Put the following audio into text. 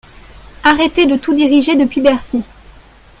Arrêtez de tout diriger depuis Bercy.